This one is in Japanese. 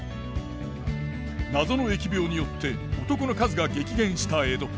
謎の疫病によって男の数が激減した江戸。